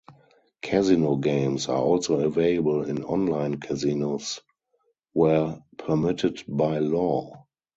Casino games are also available in online casinos, where permitted by law.